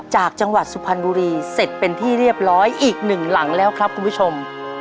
จากจังหวัดสุพรรณบุรีเสร็จเป็นที่เรียบร้อยอีกหนึ่งหลังแล้วครับคุณผู้ชม